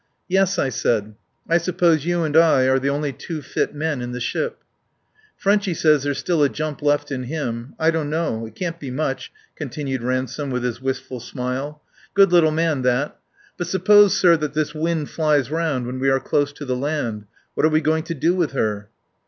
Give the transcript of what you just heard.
"Yes," I said. "I suppose you and I are the only two fit men in the ship." "Frenchy says there's still a jump left in him. I don't know. It can't be much," continued Ransome with his wistful smile. "Good little man that. But suppose, sir, that this wind flies round when we are close to the land what are we going to do with her?"